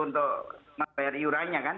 untuk membayar yurannya kan